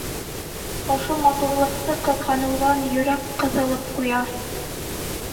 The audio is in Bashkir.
Ошо матурлыҡты ҡыҙғаныуҙан йөрәк ҡыҫылып ҡуя.